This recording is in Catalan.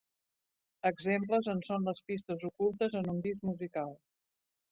Exemples en són les pistes ocultes en un disc musical.